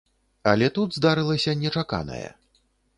Але тут здарылася нечаканае.